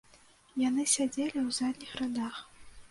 Яны сядзелі ў задніх радах.